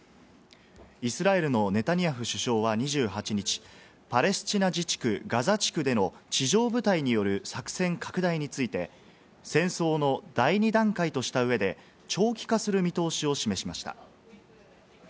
イスラエルのネタニヤフ首相は２８日、パレスチナ自治区ガザ地区での地上部隊による作戦拡大について戦争の第２段階とした上で長期化する見通しを示しました。